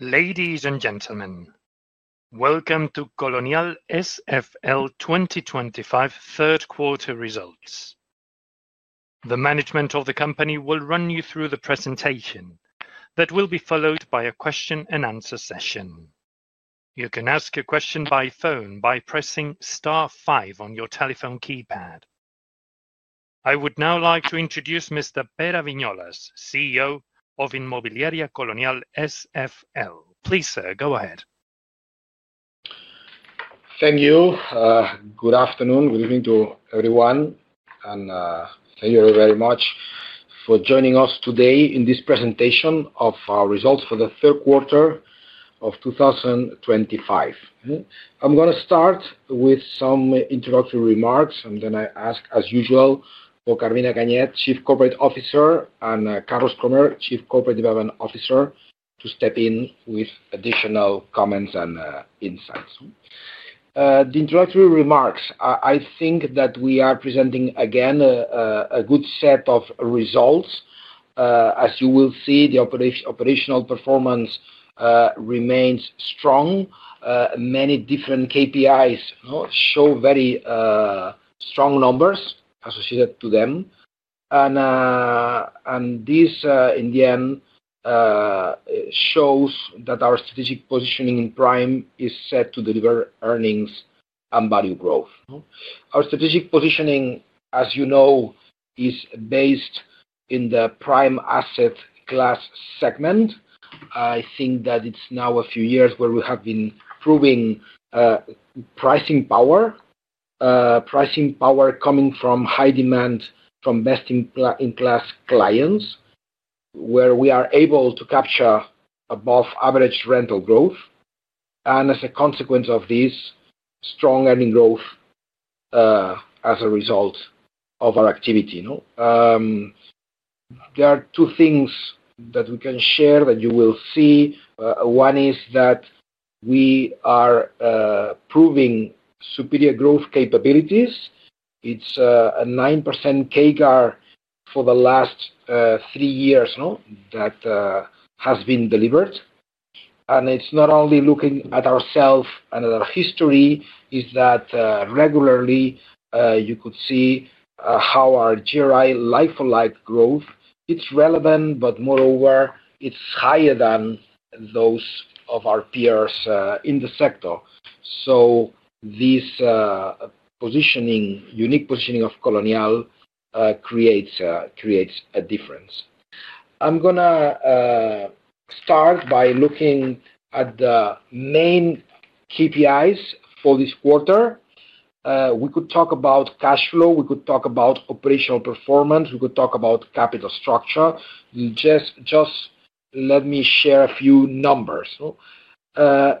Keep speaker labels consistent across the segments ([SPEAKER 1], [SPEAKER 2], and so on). [SPEAKER 1] Ladies and gentlemen, welcome to Colonial SFL 2025 third quarter results. The management of the company will run you through the presentation that will be followed by a question and answer session. You can ask a question by phone by pressing star five on your telephone keypad. I would now like to introduce Mr. Pere Viñolas, Senior CEO of Inmobiliaria Colonial SFL. Please sir, go ahead.
[SPEAKER 2] Thank you. Good afternoon, good evening to everyone and thank you very much for joining us today in this presentation of our results for the third quarter of 2025. I'm going to start with some introductory remarks and then I ask as usual for Carmina Ganyet, Chief Corporate Officer, and Carlos Krohmer, Chief Corporate Development Officer, to step in with additional comments and insights. The introductory remarks. I think that we are presenting again a good set of results. As you will see, the operational performance remains strong. Many different KPIs show very strong numbers associated to them. This in the end shows that our strategic positioning in prime is set to deliver earnings and value growth. Our strategic positioning, as you know, is based in the prime asset class segment. I think that it's now a few years where we have been proving pricing power, pricing power coming from high demand, from best-in-class clients where we are able to capture above average rental growth. As a consequence of this strong earning growth as a result of our activity, there are two things that we can share that you will see. One is that we are proving superior growth capabilities. It's a 9% CAGR for the last three years that has been delivered. It's not only looking at ourselves and our history, it's that regularly you could see how our GRI like-for-like growth, it's relevant but moreover it's higher than those of our peers in the sector. This positioning, unique positioning of Colonial, creates a difference. I'm going to start by looking at the main KPIs for this quarter. We could talk about cash flow, we could talk about operational performance, we could talk about capital structure. Just let me share a few numbers.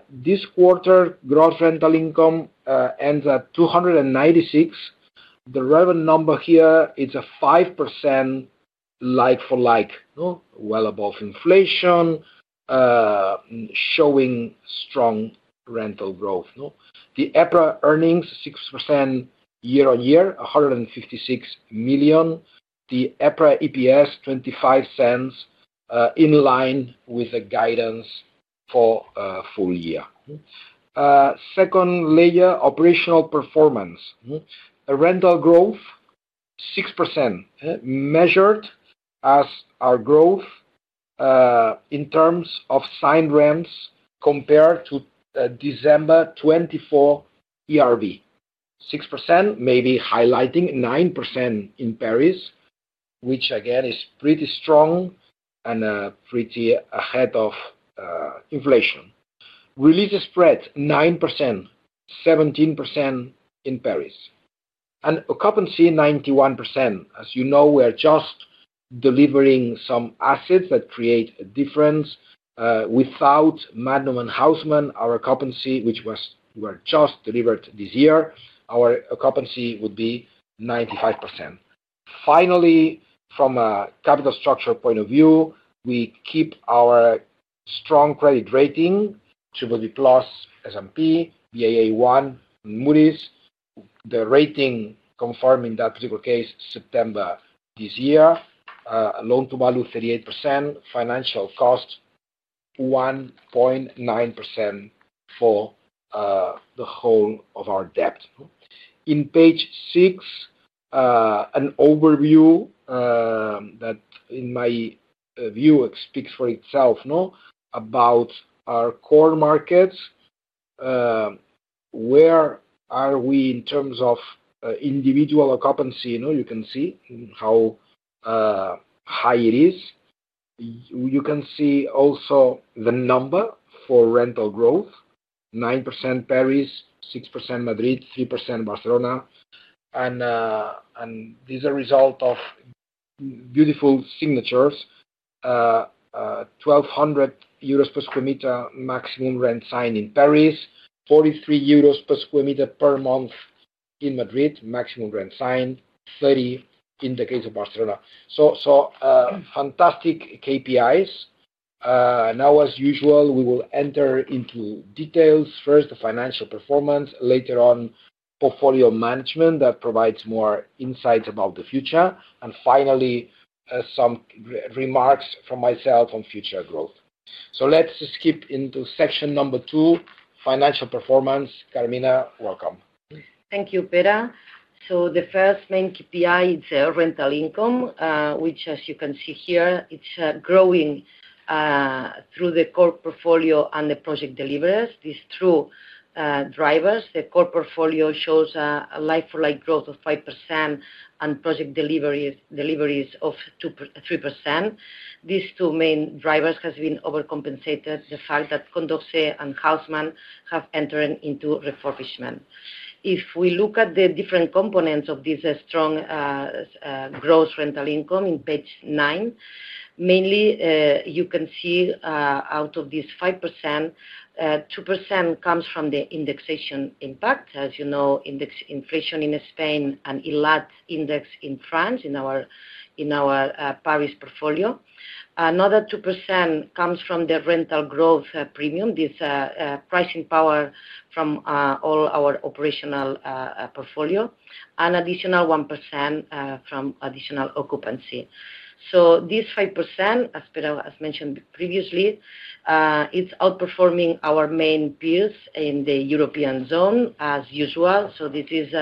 [SPEAKER 2] This quarter gross rental income ends at 296 million. The relevant number here, it's a 5% like-for-like, well above inflation, showing strong rental growth. The EPRA earnings, 6% year-on-year, 156 million. The EPRA EPS, 0.25, in line with the guidance for full year. Second layer, operational performance, rental growth 6% measured as our growth in terms of signed rents compared to December 2024 ERV, 6%, maybe highlighting 9% in Paris, which again is pretty strong and pretty ahead of inflation. Release spread 9%, 17% in Paris, and occupancy 91%. As you know, we are just delivering some assets that create a difference. Without Magnum and Haussmann, our occupancy, which were just delivered this year, our occupancy would be 95%. Finally, from a capital structure point of view, we keep our strong credit rating plus S&P, Baa1 Moody's, the rating confirmed in that particular case September this year. Loan to value 38%, financial cost 1.9% for the whole of our debt. In page six, an overview that in my view speaks for itself about our core markets. Where are we in terms of individual occupancy? You can see how high it is. You can see also the number for rental growth. 9% Paris, 6% Madrid, 3% Barcelona. And these are result of beautiful signatures. 1,200 euros per square meter maximum rent sign in Paris, 43 euros per square meter per month in Madrid maximum rent signed, 30 in the case of Barcelona. So fantastic KPIs. Now as usual we will enter into details. First the financial performance, later on portfolio management that provides more insights about the future. Finally, some remarks from myself on future growth. Let's skip into section number two, financial performance. Carmina, welcome.
[SPEAKER 3] Thank you, Peter. The first main KPI is rental income, which as you can see here, it's growing through the core portfolio and the project deliveries. These two drivers, the core portfolio shows a like-for-like growth of 5% and project deliveries of 2%. These two main drivers have been overcompensated by the fact that Condoxe and Haussmann have entered into refurbishment. If we look at the different components of this strong gross rental income, in page nine mainly, you can see out of this 5%, 2% comes from the indexation impact. As you know, inflation in Spain and index in France. In our Paris portfolio, another 2% comes from the rental growth premium. This primary pricing power from all our operational portfolio and an additional 1% from additional occupancy. This 5%, as mentioned previously, is outperforming our main peers in the European zone as usual. This is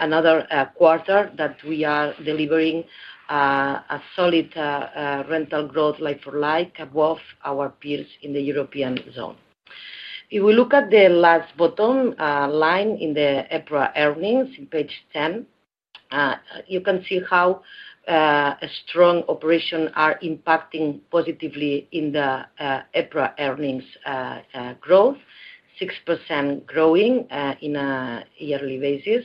[SPEAKER 3] another quarter that we are delivering a solid rental growth like-for-like above our peers in the European zone. If we look at the last bottom line in the EPRA Earnings in page 10, you can see how a strong operation is impacting positively in the EPRA Earnings growth. 6% growing on a yearly basis.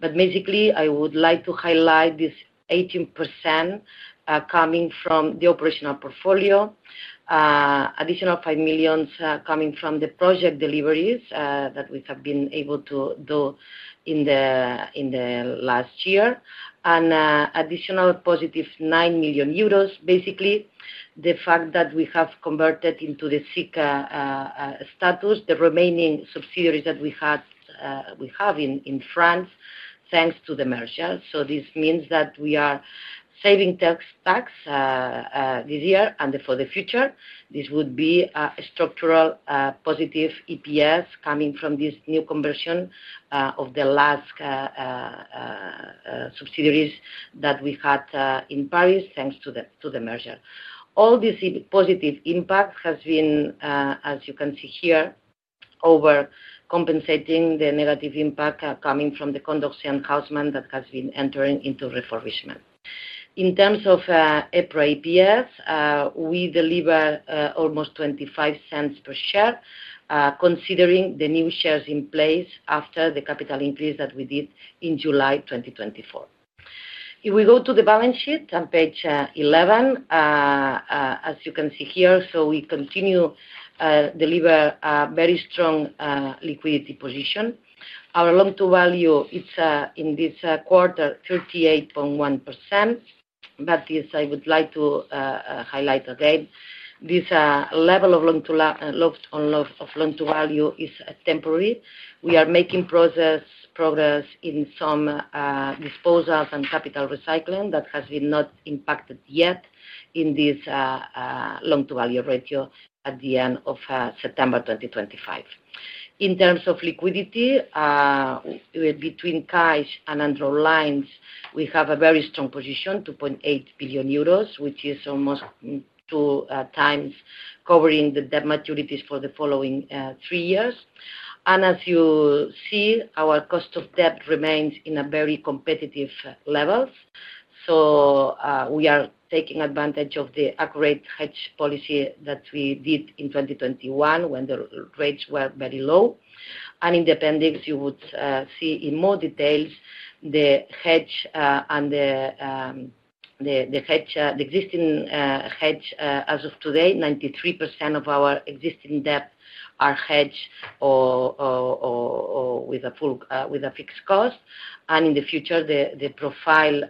[SPEAKER 3] Basically, I would like to highlight this 18% coming from the operational portfolio. Additional 5 million coming from the project deliveries that we have been able to do in the last year and additional positive 9 million euros. Basically, the fact that we have converted into the SIIC status the remaining subsidiaries that we have in France thanks to the merger. This means that we are saving tax this year and for the future. This would be a structural positive EPS coming from this new conversion of the last subsidiaries that we had in Paris thanks to the merger. All this positive impact has been, as you can see here, overcompensating the negative impact coming from the Condoxian Haussmann that has been entering into refurbishment. In terms of EPRA EPS, we deliver almost 0.25 per share considering the new shares in place after the capital increase that we did in July 2024. If we go to the balance sheet on page 11, as you can see here. We continue to deliver very strong liquidity. Our loan to value is in this quarter 38.1%. I would like to highlight again this level of loan to value is temporary. We are making progress in some disposals and capital recycling that has not been impacted yet. In this loan-to-value ratio at the end of September 2025, in terms of liquidity between cash and androlines, we have a very strong position, 2.8 billion euros, which is almost two times covering the debt maturities for the following three years. As you see, our cost of debt remains at a very competitive level. We are taking advantage of the accurate hedge policy that we did in 2021 when the rates were very low. In the appendix, you would see in more detail the hedge and the hedge. The existing hedge as of today, 93% of our existing debt are hedged with a fixed cost. In the future, the profile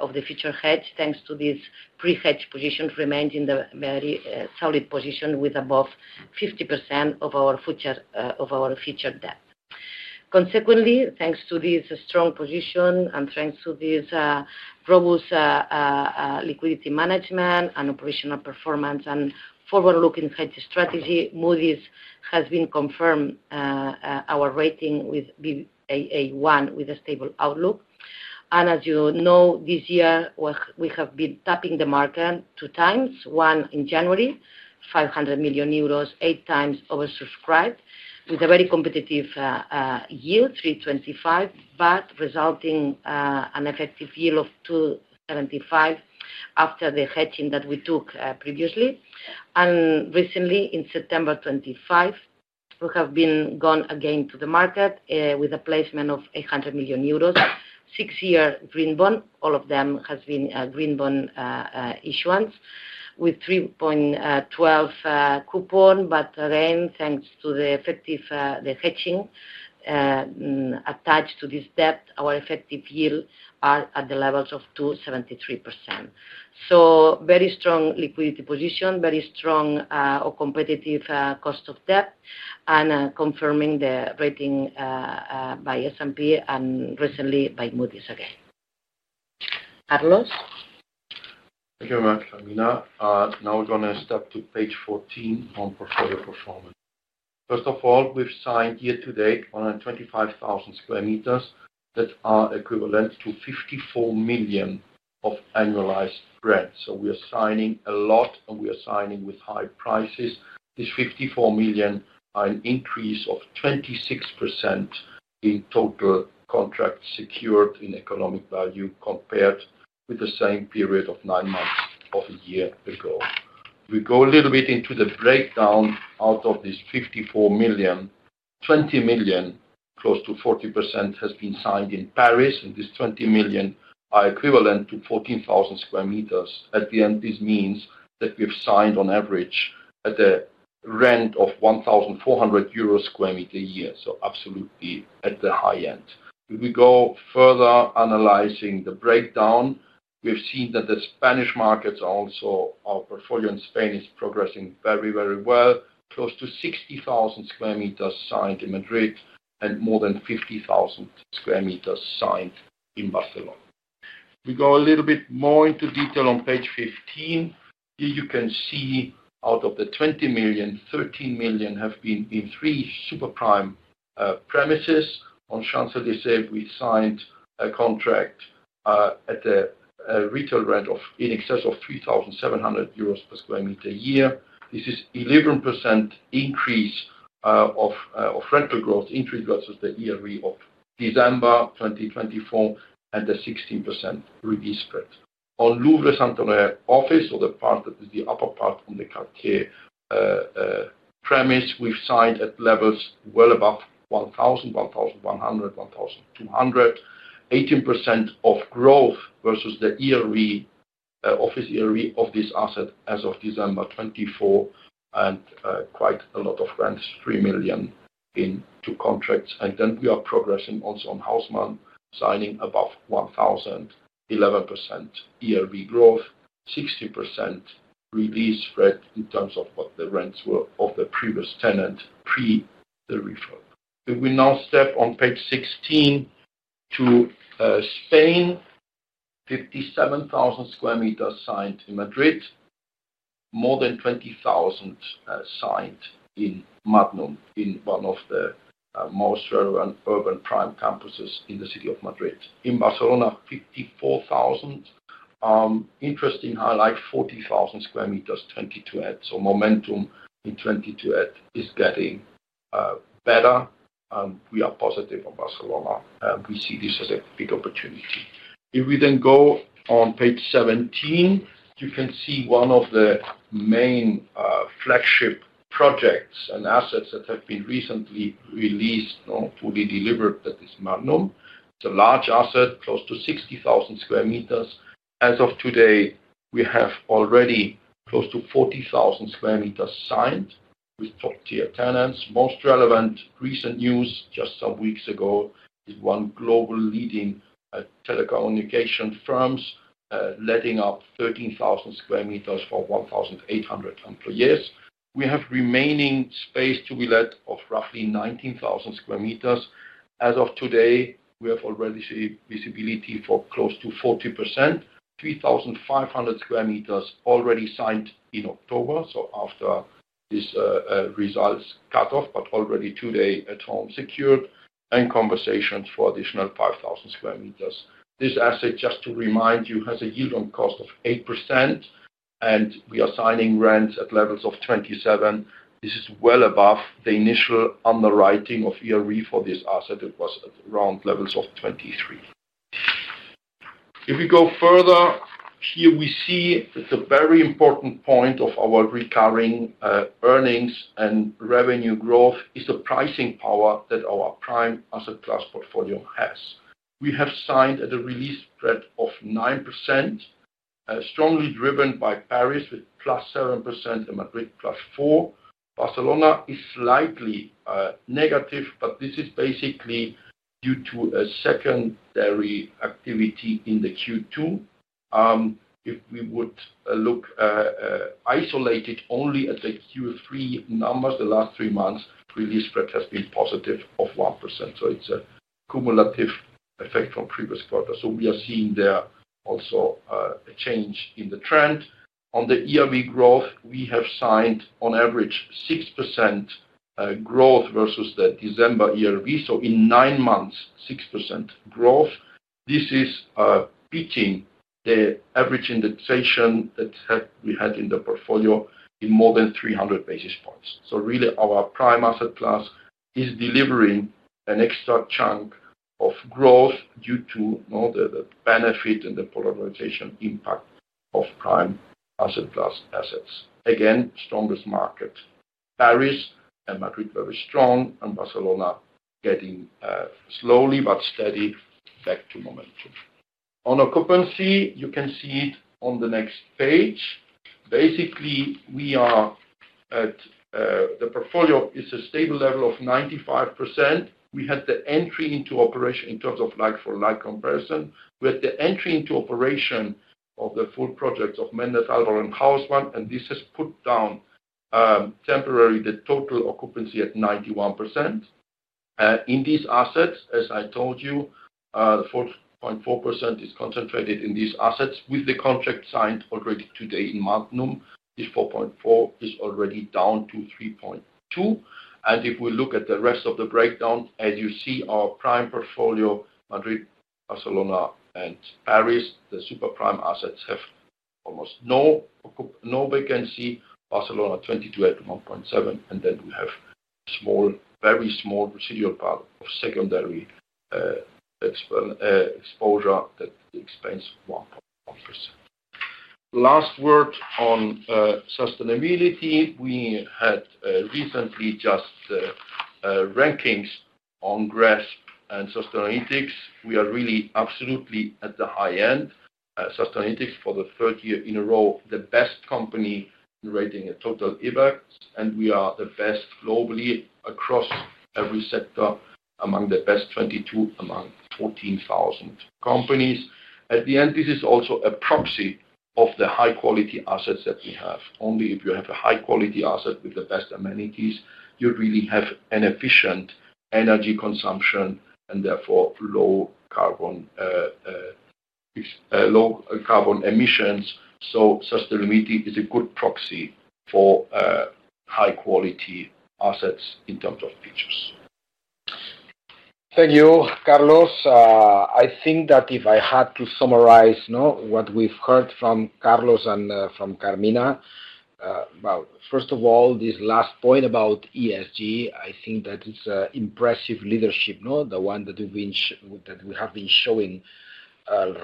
[SPEAKER 3] of the future hedge, thanks to these pre-hedged positions, remained in a very solid position with above 50% of our future debt. Consequently, thanks to this strong position and thanks to these robust liquidity management and operational performance and forward looking hedge strategy, Moody's has been confirmed our rating with Baa1 with a stable outlook. As you know, this year we have been tapping the market two times. One in January, 500 million euros, eight times oversubscribed with a very competitive yield, 3.25, but resulting in an effective yield of 2.75. After the hedging that we took previously, and recently in September 25th, we have been gone again to the market with a placement of 800 million euros. Six year green bond, all of them has been green bond issuance with 3.12 coupon, but again, thanks to the effective, the hedging attached to this debt, our effective yield are at the levels of 2.73%. Very strong liquidity position, very strong or competitive cost of debt. Confirming the rating by S&P and recently by Moody's. Again, Carlos.
[SPEAKER 4] Thank you very much, Amina. Now we're going to step to page 14 on portfolio performance. First of all, we've signed year to date 125,000 sq m that are equivalent to 54 million of annualized grants. We are signing a lot and we are signing with high prices. This 54 million, an increase of 26% in total contracts secured in economic value compared with the same period of nine months of a year ago. We go a little bit into the breakdown. Out of this 54 million, 20 million, close to 40%, has been signed in Paris. And this 20 million are equivalent to 14,000 sq m at the end. This means that we've signed on average at the rent of 1,400 euros per sq m per year. Absolutely at the high end. If we go further analyzing the breakdown, we've seen that the Spanish markets, also our portfolio in Spain, is progressing very, very well. Close to 60,000 sq m signed in Madrid and more than 50,000 sq m signed in Barcelona. We go a little bit more into detail on page 15. Here you can see out of the 20 million, 13 million have been in three super prime premises on Champs Elysees. We signed a contract at a retail rent of in excess of 3,700 euros per sq m year. This is 11% increase of rental growth increase versus the year re option December 2024 and the 16% release spread on Louvre Saint Honoré office or the part that is the upper part on the Cartier premise. We've signed at levels well above 1,000, 1,100, 1,200, 18% of growth versus the ERV office ERV of this asset as of December 24th. Quite a lot of rents, 3 million in two contracts. We are progressing also on Haussmann, signing above 10-11% ERV growth, 60% release rate. In terms of what the rents were of the previous tenant pre the refurbishment, we now step on page 16 to Spain. 57,000 sq m signed in Madrid, more than 20,000 signed in Magnum in one of the most relevant urban prime campuses in the city of Madrid. In Barcelona, 54,000, interesting highlight, 40,000 sq m 22@. Momentum in 22@ is getting better. We are positive on Barcelona. We see this as a big opportunity. If we then go on page 17, you can see one of the main flagship projects and assets that have been recently released or fully delivered. That is Magnum. It's a large asset, close to 60,000 sq m. As of today we have already close to 40,000 sq m signed with top tier tenants. Most relevant recent news just some weeks ago is one global leading telecommunication firm letting up 13,000 sq m for 1,800 employees. We have remaining space to be let of roughly 19,000 sq m as of today. We have already visibility for close to 40%. 3,500 sq m already signed in October. After these results cut off, but already today at home secured and conversations for additional 5,000 sq m. This asset, just to remind you, has a yield on cost of 8%. We are signing rents at levels of 27. This is well above the initial underwriting of EUR 23. For this asset it was around levels of 23. If we go further here, we see that the very important point of our recurring earnings and revenue growth is the pricing power that our prime asset class portfolio has. We have signed at a release spread of 9%. Strongly driven by Paris with +7% and Madrid +4%. Barcelona is slightly negative, but this is basically due to a secondary activity in the Q2. If we would look isolated only at the Q3 numbers, the last three months release spread has been positive of 1%. It is a cumulative effect from previous quarters. We are seeing there also a change in the trend on the ERV growth. We have signed on average 6% growth versus the December ERV. In nine months 6% growth. This is beating the average indexation that we had in the portfolio in more than 300 basis points. Really our prime asset class is delivering an extra chunk of growth due to the benefit and the polarization impact of prime asset class assets. Again, strongest market. Paris and Madrid very strong and Barcelona getting slowly but steady. Back to momentum on occupancy. You can see it on the next page. Basically, we are the portfolio is a stable level of 95%. We had the entry into operation in terms of like-for-like comparison. We had the entry into operation of the full projects of Mendel, Albert, and Haussmann. This has put down temporarily the total occupancy at 91% in these assets. As I told you, 4.4% is concentrated in these assets. With the contract signed already today in Magnum, this 4.4% is already down to 3.2%. If we look at the rest of the breakdown, as you see our prime portfolio Madrid, Barcelona, and Paris, the super prime assets have almost no vacancy. Barcelona 22@ 81.7 and then we have a small, very small residual part of secondary exposure that accounts for 1.1%. Last word on sustainability. We had recently just rankings on GRESB and Sustainalytics. We are really absolutely at the high end, Sustainalytics for the third year in a row, the best company rating, a total eBAX. We are the best globally across every sector, among the best 22 among 14,000 companies at the end. This is also a proxy of the high quality assets that we have. Only if you have a high quality asset with the best amenities, you really have an efficient energy consumption and therefore low carbon, low carbon emissions. Sustainability is a good proxy for high quality assets in terms of features.
[SPEAKER 2] Thank you, Carlos. I think that if I had to summarize what we've heard from Carlos and from Carmina. First of all, this last point about ESG, I think that it's impressive leadership the one that we have been showing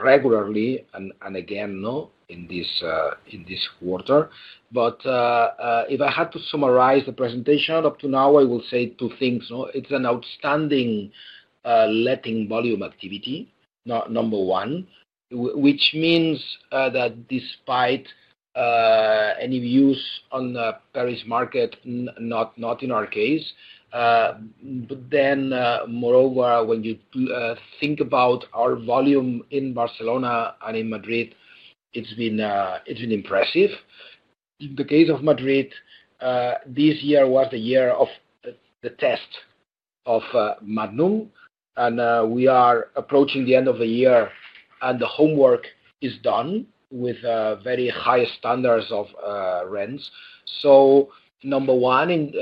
[SPEAKER 2] regularly and again now in this quarter. If I had to summarize the presentation up to now, I will say two things. It's an outstanding letting volume activity, number one, which means that despite any news on Paris market, not in our case, but then moreover, when you think about our volume in Barcelona and in Madrid, it's been impressive. In the case of Madrid, this year was the year of the test of Magnum and we are approaching the end of the year and the homework is done with very high standards of rents. Number one in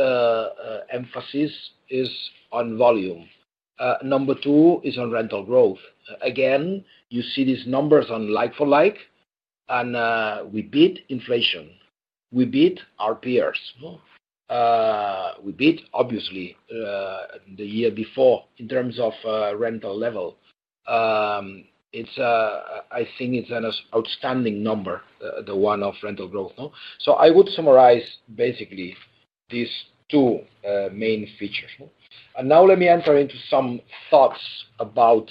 [SPEAKER 2] emphasis is on volume. Number two is on rental growth. Again you see these numbers on like-for-like. We beat inflation, we beat our peers, we beat obviously the year before. In terms of rental level, I think it is an outstanding number, the one of rental growth. I would summarize basically these two main features and now let me enter into some thoughts about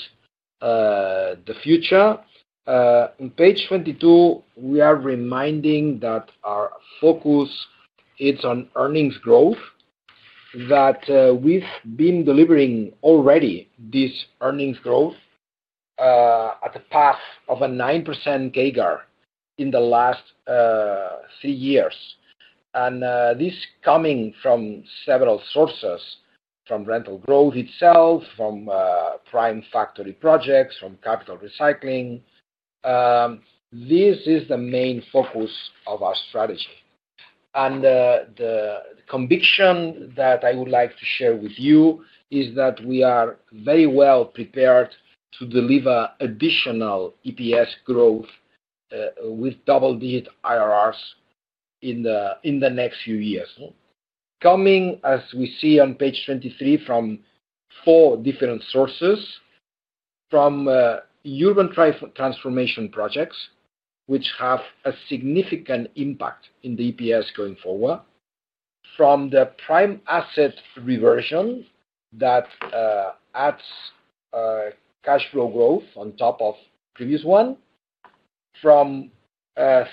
[SPEAKER 2] the future. On page 22 we are reminding that our focus is on earnings growth that we have been delivering already. This earnings growth at the path of a 9% CAGR in the last three years. This is coming from several sources, from rental growth itself, from prime factory projects, from capital recycling. This is the main focus of our strategy. The conviction that I would like to share with you is that we are very well prepared to deliver additional EPS growth with double-digit IRRs in the next few years coming as we see on page 23 from four different sources: from urban transformation projects, which have a significant impact in the EPS going forward; from the prime asset reversion that adds cash flow growth on top of the previous one; from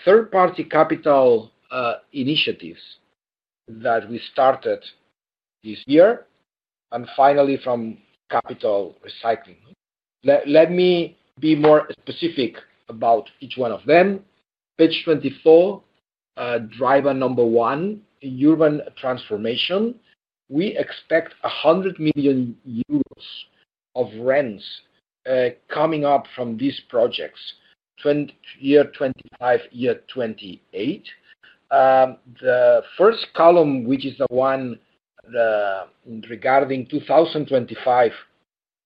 [SPEAKER 2] third-party capital initiatives that we started this year; and finally from capital recycling. Let me be more specific about each one of them. Page 24, driver number one, urban transformation. We expect 100 million euros of rents coming up from these projects, year 2025, year 2028. The first column, which is the one regarding 2025,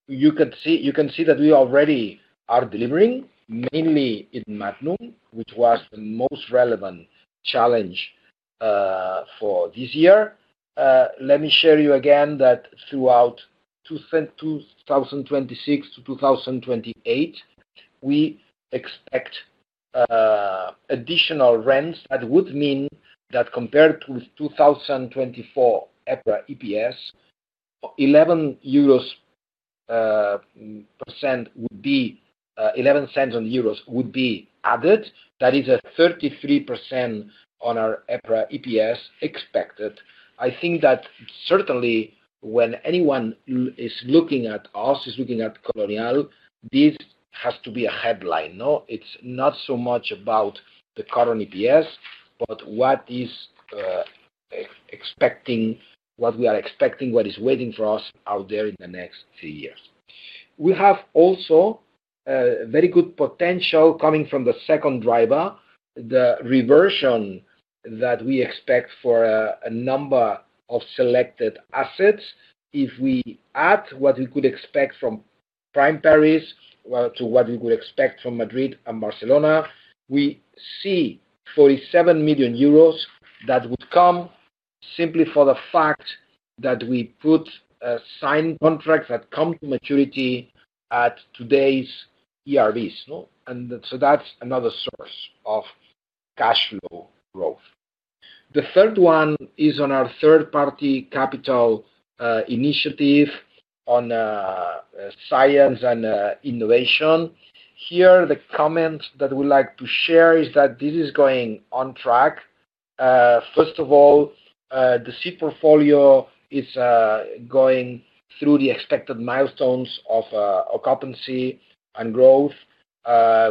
[SPEAKER 2] you can see that we already are delivering mainly in Magnum, which was the most relevant challenge for this year. Let me show you again that throughout 2026 to 2028 we expect additional rents. That would mean that compared to 2024 EPRA EPS, 11% would be 0.11 would be added. That is a 33% on our EPRA EPS expected. I think that certainly when anyone is looking at us, is looking at Colonial, this has to be a headline. No, it's not so much about the current EPS, but what is expecting, what we are expecting, what is waiting for us out there in the next few years. We have also very good potential coming from the second driver, the reversion that we expect for a number of selected assets. If we add what we could expect from prime Paris to what we would expect from Madrid and Barcelona, we see 47 million euros. That would come simply for the fact that we put a sign contracts that come to maturity at today's ERVs. That is another source of cash flow growth. The third one is on our third party capital initiative on science and innovation here. The comment that we'd like to share is that this is going on track. First of all, the seed portfolio is going through the expected milestones of occupancy and growth.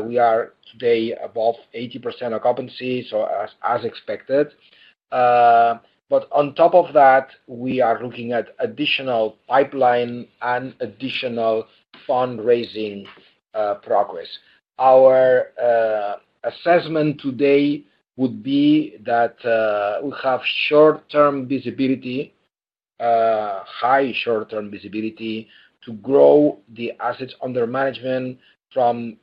[SPEAKER 2] We are today above 80% occupancy as expected. On top of that we are looking at additional pipeline and additional fundraising progress. Our assessment today would be that we have short term visibility, high short term visibility to grow the assets under management from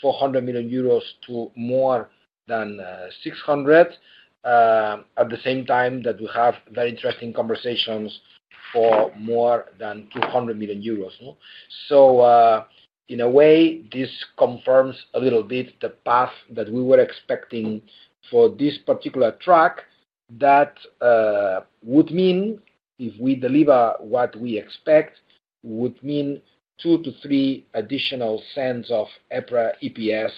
[SPEAKER 2] 400 million euros to more than 600 million at the same time that we have very interesting conversations for more than 200 million euros. In a way this confirms a little bit the path that we were expecting for this particular track. That would mean if we deliver what we expect, it would mean 2-3 additional cents of EPRA EPS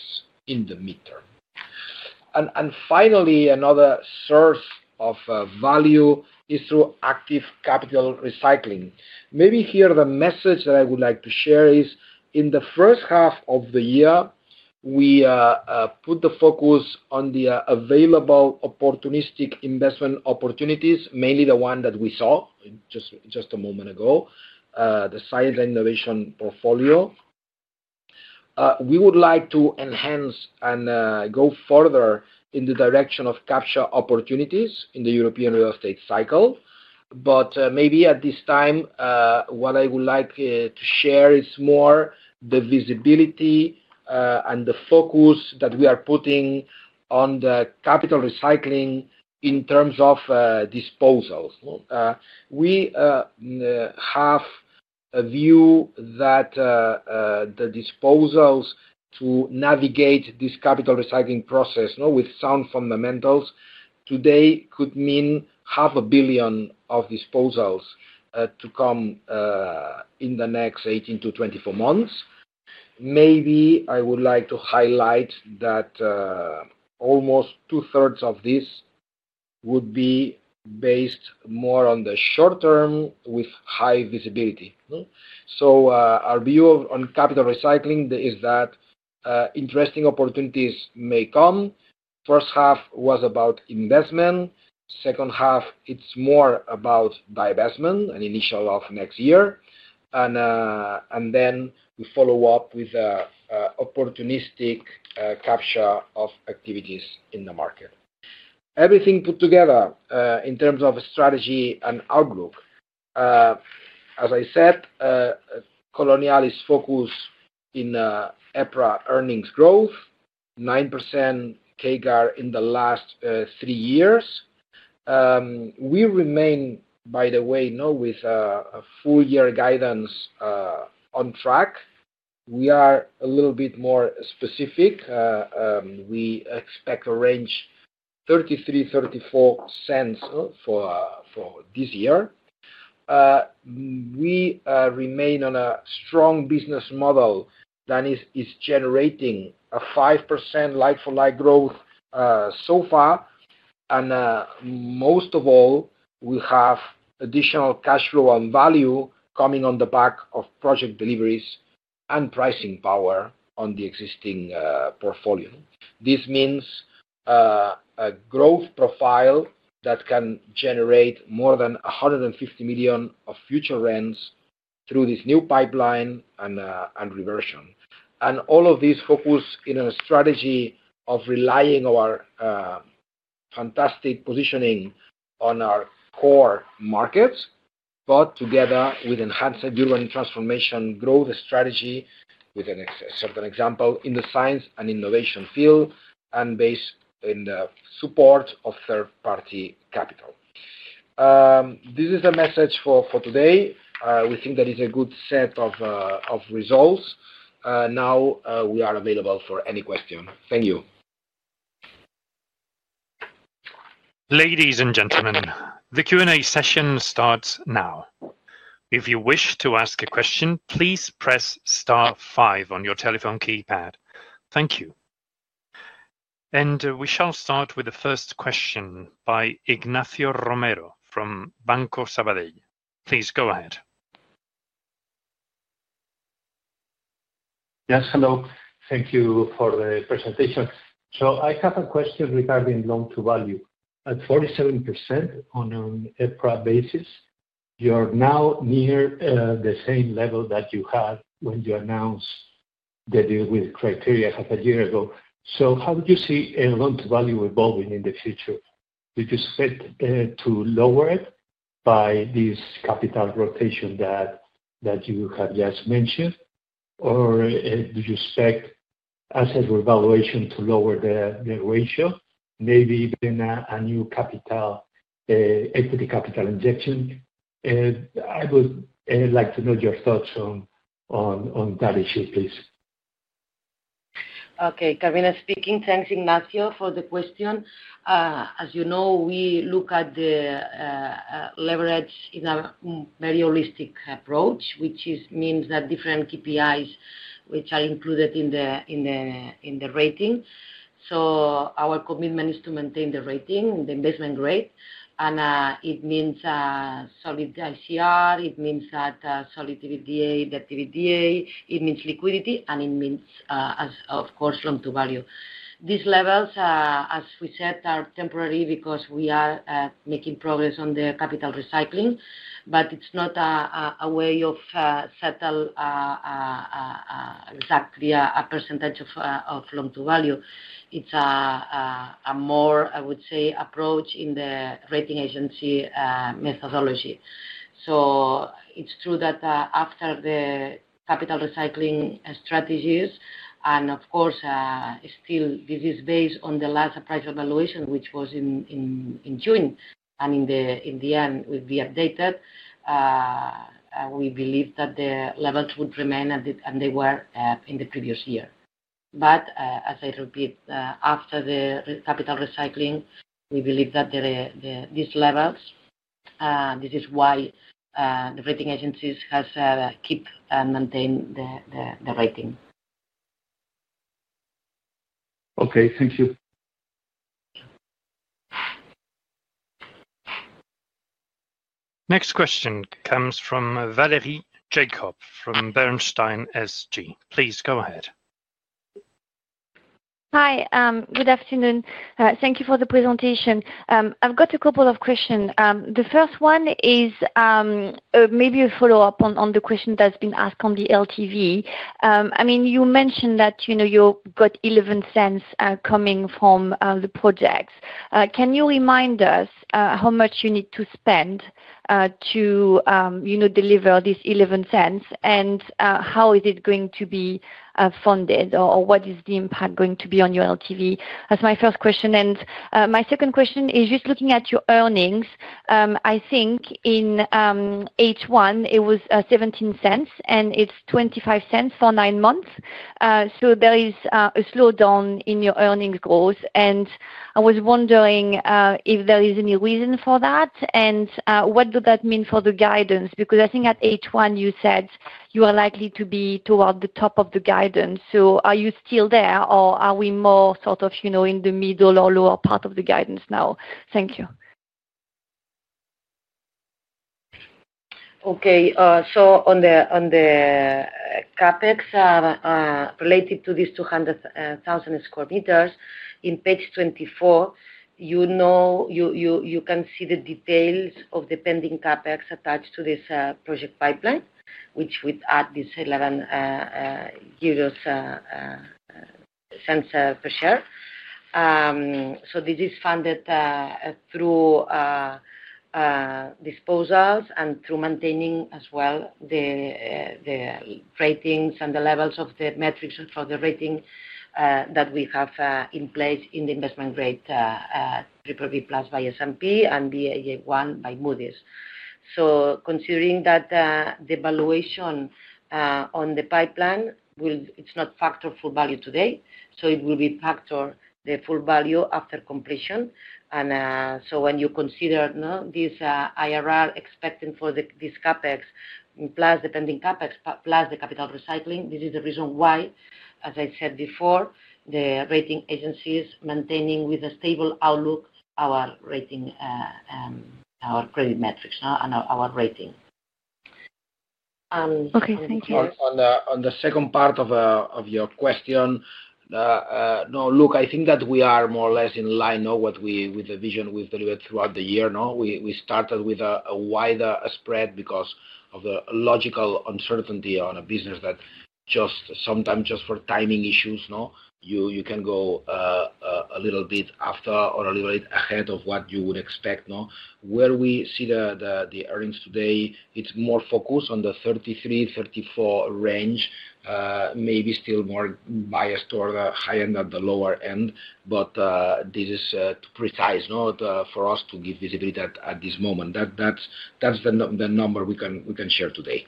[SPEAKER 2] in the midterm. Finally, another source of value is through active capital recycling. Maybe here the message that I would like to share is in the first half of the year we put the focus on the available opportunistic investment opportunities, mainly the one that we saw just a moment ago, the science innovation portfolio. We would like to enhance and go further in the direction of capturing opportunities in the European real estate cycle. At this time what I would like to share is more the visibility and the focus that we are putting on the capital recycling in terms of disposals. We have a view that the disposals to navigate this capital recycling process with sound fundamentals today could mean 500 billion of disposals to come in the next 18-24 months. Maybe I would like to highlight that almost two-thirds of this would be based more on the short term with high visibility. Our view on capital recycling is that interesting opportunities may come. First half was about investment, second half is more about divestment and initial of next year. We follow up with opportunistic capture of activities in the market. Everything put together in terms of strategy and outlook. As I said, Colonial is focused in EPRA earnings growth 9% CAGR in the last three years. We remain, by the way, with a full year guidance on track. We are a little bit more specific. We expect a range of 0.33-0.34 for this year. We remain on a strong business model that is generating a 5% like-for-like growth so far. Most of all, we have additional cash flow and value coming on the back of project deliveries and pricing power on the existing portfolio. This means a growth profile that can generate more than 150 million of future rents through this new pipeline and reversion. All of this is focused in a strategy of relying on our fantastic positioning in our core markets, together with enhanced dual learning transformation growth strategy, with an example in the science and innovation field and based on the support of third-party capital. This is the message for today. We think that is a good set of results. Now we are available for any question. Thank you.
[SPEAKER 1] Ladies and gentlemen, the Q and A session starts now. If you wish to ask a question, please press star five on your telephone keypad. Thank you. We shall start with the first question by Ignacio Romero from Banco Sabadell. Please go ahead.
[SPEAKER 5] Yes, hello. Thank you for the presentation. I have a question regarding loan to value at 47% on an EPRA basis. You're now near the same level that you had when you announced Criteria half a year ago. How would you see loan to value evolving in the future? Do you expect to lower it by this capital rotation that you have just mentioned or do you expect asset revaluation to lower the ratio? Maybe even a new equity capital injection? I was, and I'd like to know your thoughts on that issue, please.
[SPEAKER 3] Okay. Carmina speaking. Thanks Ignacio for the question. As you know, we look at the leverage in a very holistic approach which means that different KPIs which are included in the rating. Our commitment is to maintain the rating, the investment grade. It means solid ICR, it means that solid EBITDA, the EBITDA, it means liquidity and it means of course loan to value. These levels as we said are temporary because we are making progress on the capital recycling. It is not a way of settle exactly a percentage of loan to value. It is a more, I would say, approach in the rating agency methodology. It is true that after the capital recycling strategies and of course still this is based on the last price evaluation which was in June and in the end will be updated. We believe that the levels would remain as they were in the previous year. As I repeat, after the capital recycling, we believe that there are these levels. This is why the rating agencies have kept and maintained the rating.
[SPEAKER 5] Okay, thank you.
[SPEAKER 1] Next question comes from Valerie Jacob from Bernstein. Please go ahead.
[SPEAKER 6] Hi, good afternoon. Thank you for the presentation. I've got a couple of questions. The first one is maybe a follow up on the question that's been asked on the LTV. I mean you mentioned that you got 0.11 coming from the project. Can you remind us how much you need to spend to deliver these 0.11 and how is it going to be funded or what is the impact going to be on your LTV? That's my first question. My second question is just looking at your earnings. I think in H1 it was 0.17 and it's 0.25 for nine months. There is a slowdown in your earnings growth and I was wondering if there is any reason for that and what does that mean for the guidance? Because I think at H1 you said you are likely to be toward the top of the guidance. Are you still there or are we more sort of, you know, in the middle or lower part of the guidance now? Thank you.
[SPEAKER 3] Okay, so on the CapEx related to these 200,000 sq m in page 24, you know, you can see the details of the pending CapEx attached to this project pipeline which would add this EUR 0.11 per share. This is funded through disposals and through maintaining as well the ratings and the levels of the metrics for the rating that we have in place in the investment grade BBB by S&P and Baa1 by Moody's. Considering that the valuation on the pipeline, it's not factor full value today, it will be factor the full value after completion. When you consider this IRR expense expecting for this CapEx plus the pending CapEx plus the capital recycling, this is the reason why, as I said before, the rating agencies maintaining with a stable outlook our rating, our credit metrics and our rating.
[SPEAKER 6] Okay, thank you.
[SPEAKER 2] On the second part of your question. No, look, I think that we are more or less in line of what we, with the vision we've delivered throughout the year. We started with a wider spread because of the logical uncertainty on a business that just sometimes, just for timing issues, you can go a little bit after or a little bit ahead of what you would expect. Where we see the earnings today, it's more focused on the 33-34 range, maybe still more biased toward the high end of the lower end. This is too precise, not for us to give visibility at this moment. That's the number we can share today.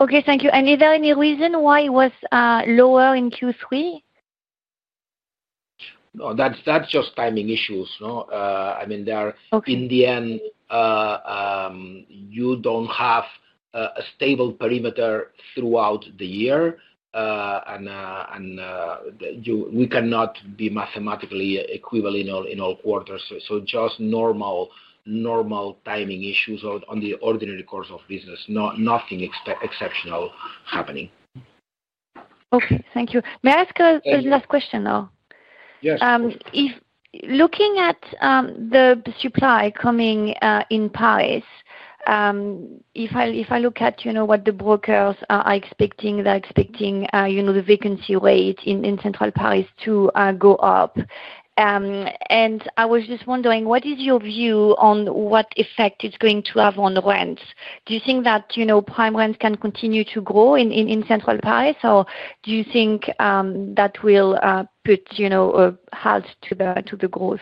[SPEAKER 6] Okay, thank you. Is there any reason why it was lower in Q3?
[SPEAKER 2] That's just timing issues. I mean, in the end, you don't have a stable perimeter throughout the year and we cannot be mathematically equivalent in all quarters. Just normal timing issues. On the ordinary course of business, nothing exceptional happening.
[SPEAKER 6] Okay, thank you. May I ask a question, though?
[SPEAKER 2] Yes.
[SPEAKER 6] Looking at the supply coming in Paris, if I look at, you know, what the brokers are expecting, they're expecting, you know, the vacancy rate in central Paris to go up. I was just wondering what is your view on what effect it's going to have on rents? Do you think that, you know, prime rents can continue to grow in central Paris, or do you think that will put, you know, halt to the growth?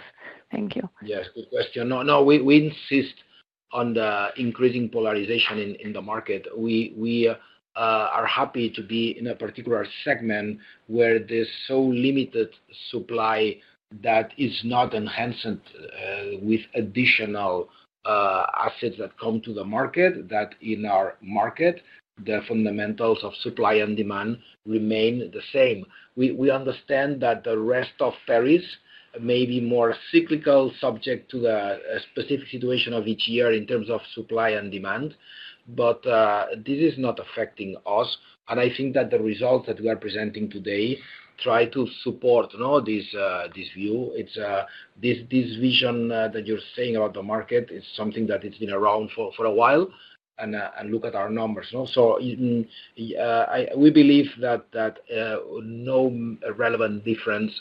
[SPEAKER 6] Thank you.
[SPEAKER 2] Yes, good question. No, we insist on the increasing polarization in the market. We are happy to be in a particular segment where there's so limited supply that is not enhanced with additional assets that come to the market. In our market, the fundamentals of supply and demand remain the same. We understand that the rest of areas may be more cyclical, subject to the specific situation of each year in terms of supply and demand, but this is not affecting us. I think that the results that we are presenting today try to support this view. This vision that you're saying about the market is something that it's been around for a while. Look at our numbers. We believe that no relevant difference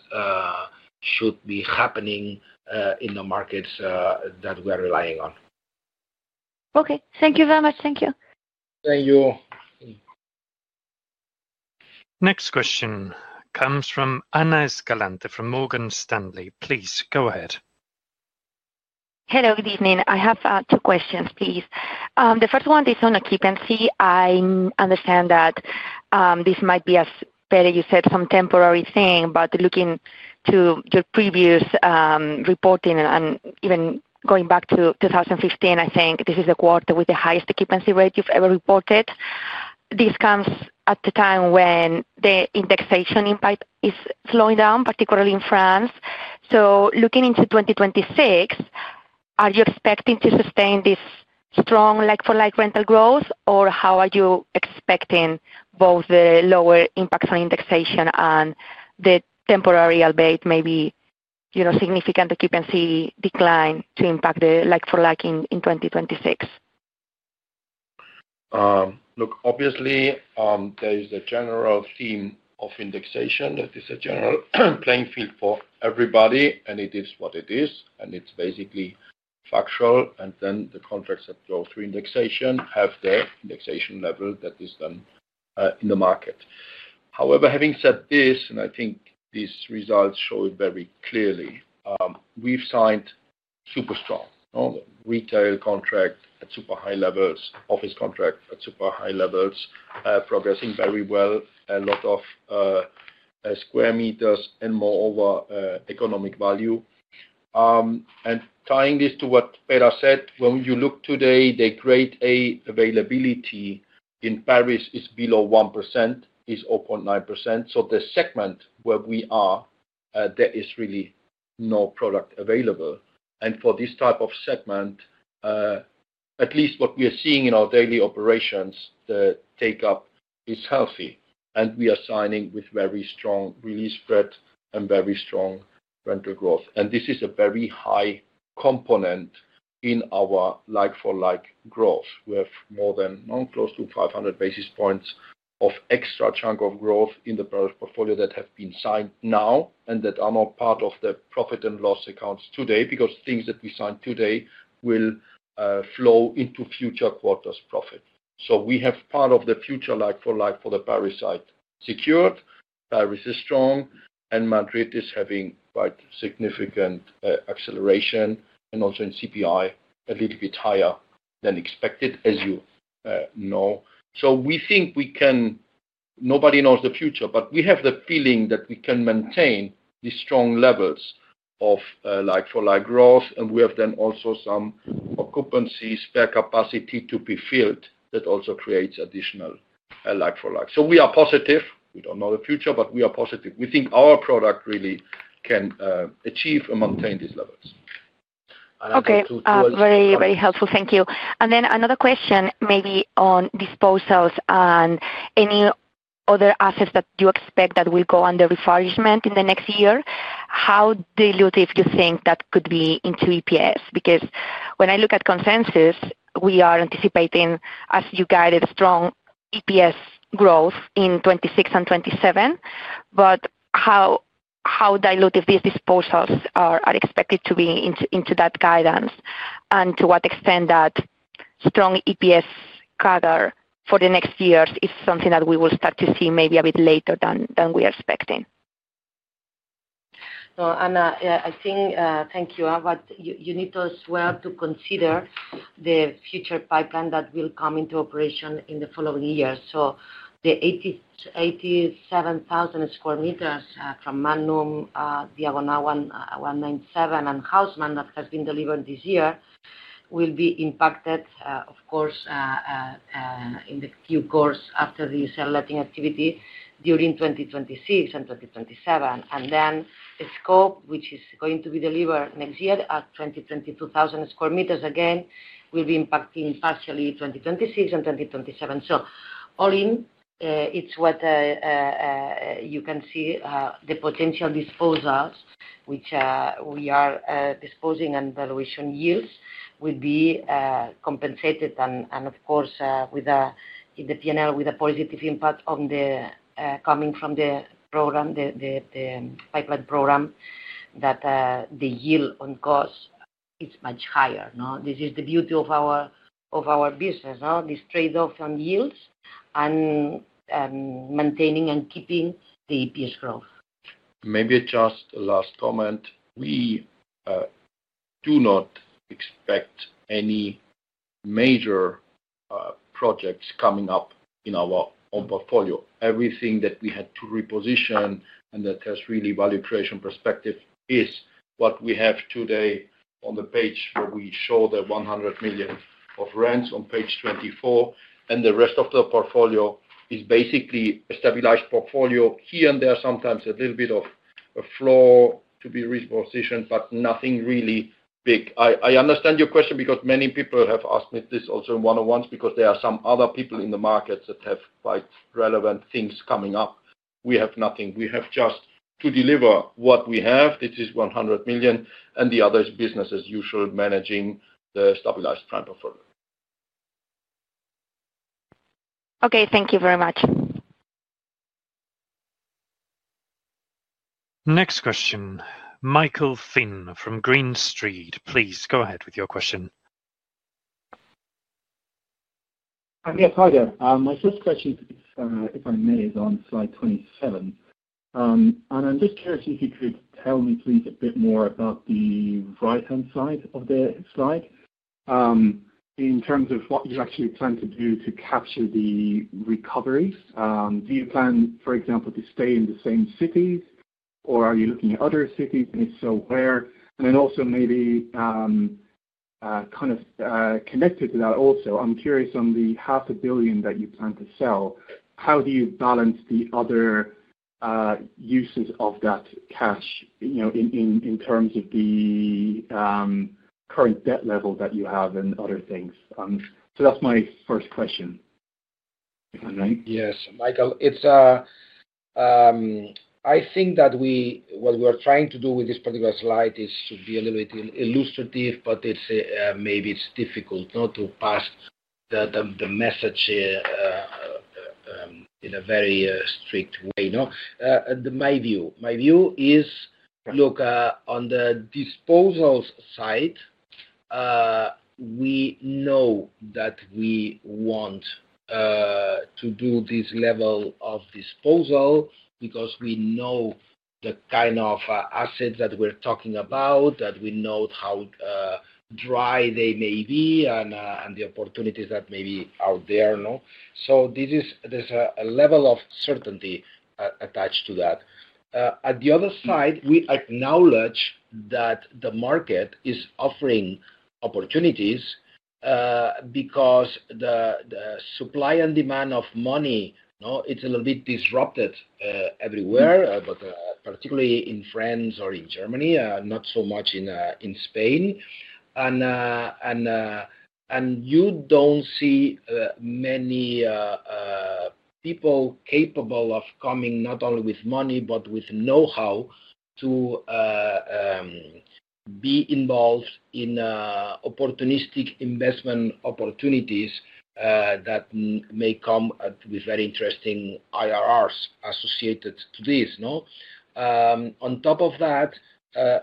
[SPEAKER 2] should be happening in the markets that we are relying on.
[SPEAKER 6] Okay, thank you very much. Thank you.
[SPEAKER 2] Thank you.
[SPEAKER 1] Next question comes from Ana Escalante, from Morgan Stanley. Please go ahead.
[SPEAKER 7] Hello, good evening. I have two questions please. The first one is on occupancy. I understand that this might be a Pere, you said some temporary thing, but looking to your previous reporting and even going back to 2015, I think this is the quarter with the highest occupancy rate you've ever reported. This comes at the time when the indexation impact is slowing down, particularly in France. Looking into 2026, are you expecting to sustain this strong like-for-like rental growth or how are you expecting, given both the lower impacts on indexation and the temporary, maybe significant, occupancy decline, to impact the like-for-like in 2026?
[SPEAKER 4] Look, obviously there is a general theme of indexation that is a general playing field for everybody and it is what it is and it's basically factual. Then the contracts that go through indexation have their indexation level that is done in the market. However, having said this, and I think these results show it very clearly, we've signed super strong retail contract at super high levels, office contract at super high levels, progressing very well, a lot of square meters and moreover economic value. Tying this to what Pere said, when you look today, the grade A availability in Paris is below 1%, is 0.9%. The segment where we are, there is really no product available. For this type of segment, at least what we are seeing in our daily operations, the take up is healthy and we are signing with very strong release spread and very strong rental growth. This is a very high component in our like-for-like growth. We have more than close to 500 basis points of extra chunk of growth in the Paris portfolio that have been signed now and that are not part of the profit and loss accounts today because things that we sign today will flow into future quarters' profit. We have part of the future like-for-like for the Paris side secured. Paris is strong and Madrid is having quite significant acceleration and also in CPI a little bit higher than expected, as you know. We think we can, nobody knows the future, but we have the feeling that we can maintain these strong levels of like-for-like growth and we have then also some occupancy spare capacity to be filled that also creates additional like-for-like. We are positive. We do not know the future, but we are positive. We think our product really can achieve and maintain these levels.
[SPEAKER 7] Very helpful, thank you. Another question. Maybe on disposals and any other assets that you expect that will go under refurbishment in the next year, how dilutive you think that could be into EPS. Because when I look at consensus, we are anticipating, as you guided, strong EPS growth in 2026 and 2027. How dilutive these disposals are expected to be into that guidance and to what extent that strong EPS CAGR for the next years is something that we will start to see maybe a bit later than we are expecting?
[SPEAKER 3] I think. Thank you. You need as well to consider the future pipeline that will come into operation in the following year. The 87,000 sq m from Magnum, Diagonal 197, and Haussmann that has been delivered this year will be impacted, of course, in the Q course after the letting activity during 2026 and 2027, and then Scope, which is going to be delivered next year at 20,000 sq m, again will be impacting partially 2026 and 2027. All in, it is what you can see, the potential disposals which we are disposing and valuation yields will be compensated, and of course in the P and L with a positive impact coming from the program, the pipeline program, that the yield on cost is much higher. This is the beauty of our business, this trade-off on yields and maintaining and keeping the EPS growth.
[SPEAKER 4] Maybe just a last comment. We do not expect any major projects coming up in our own portfolio. Everything that we had to reposition and that has really value creation perspective is what we have today on the page where we show the 100 million of rents on page 24. The rest of the portfolio is basically a stabilized portfolio here and there. Sometimes a little bit of a flaw to be repositioned, but nothing really big. I understand your question because many people have asked me this also in one on ones because there are some other people in the markets that have quite relevant things coming up. We have nothing. We have just to deliver what we have. It is 100 million and the other business as usual managing the stabilized front of.
[SPEAKER 7] Okay, thank you very much.
[SPEAKER 1] Next question. Michael Finn from Green Street, please go ahead with your question.
[SPEAKER 8] Hi there. My first question if I may is on slide 27, and I'm just curious. If you could tell me please. Bit more about the right hand side of the slide in terms of what you actually plan to do to capture the recovery. Do you plan for example to stay in the same cities or are you looking at other cities and if so where, and then also maybe kind of connected to that. Also, I am curious on the $500,000,000 that you plan to sell, how do you balance the other uses of that cash in terms of the current debt level that you have and other things. That is my first question.
[SPEAKER 2] Yes, Michael, I think that what we are trying to do with this particular slide is to be a little bit illustrative, but maybe it is difficult not to pass the message in a very strict way. My view is, look on the disposal side. We know that we want to do this level of disposal because we know the kind of assets that we're talking about, that we know how dry they may be and the opportunities that maybe are there. So there's a level of certainty attached to that. At the other side, we acknowledge that the market is offering opportunities because the supply and demand of money, no, it's a little bit disrupted everywhere, but particularly in France or in Germany, not so much in Spain. You do not see many people capable of coming not only with money but with know-how to be involved in opportunistic investment opportunities that may come with very interesting IRRs associated to this. On top of that,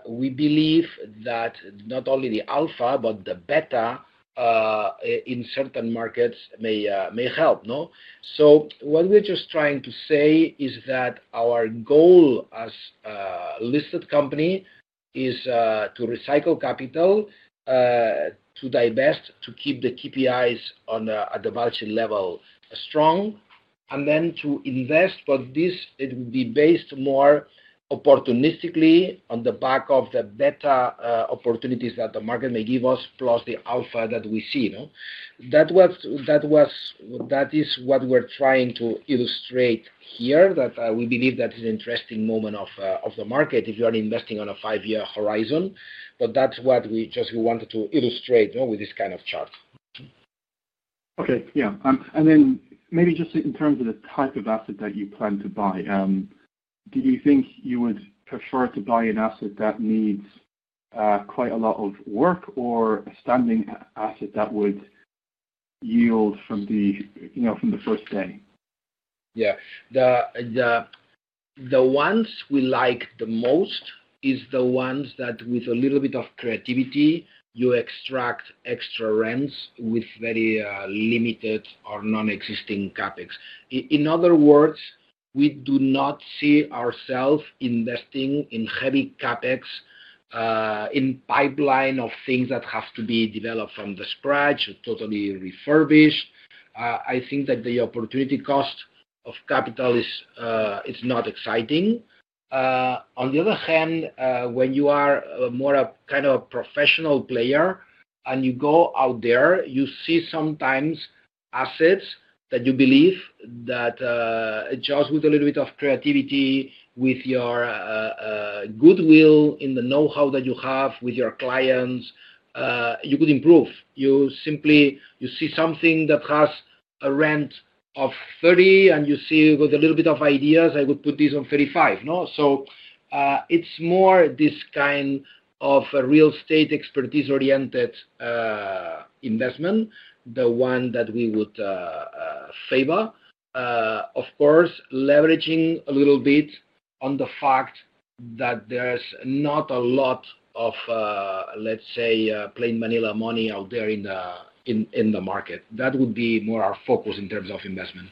[SPEAKER 2] we believe that not only the alpha but the beta in certain markets may help. What we are just trying to say is that our goal as a listed company is to recycle capital, to divest, to keep the KPIs at the balance level strong, and then to invest. This will be based more opportunistically on the back of the beta opportunities that the market may give us plus the alpha that we see. That is what we are trying to illustrate here, that we believe this is an interesting moment of the market if you are investing on a five-year horizon. That is what we just wanted to illustrate with this kind of chart.
[SPEAKER 8] Okay, yeah. Maybe just in terms of the type of asset that you plan to buy, do you think you would prefer to buy an asset that needs quite a lot of work or a standing asset that would yield from the you know, from the first day?
[SPEAKER 2] Yeah, the ones we like the most is the ones that with a little bit of creativity you extract extra rents with very limited or non-existing CapEx. In other words, we do not see ourselves investing in heavy CapEx in pipeline of things that have to be developed from the scratch, totally refurbished. I think that the opportunity cost of capital is not exciting. On the other hand, when you are more a kind of professional player and you go out there, you see sometimes assets that you believe that just with a little bit of creativity, with your goodwill in the know-how that you have with your clients, you could improve. You simply, you see something that has a rent of 30 and you see, with a little bit of ideas, I would put these on 35. It is more this kind of real estate expertise oriented investment. The one that we would favor, of course, leveraging a little bit on the fact that there is not a lot of, let's say, plain vanilla money out there in the market. That would be more our focus in terms of investment.